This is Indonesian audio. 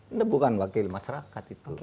ini bukan wakil masyarakat itu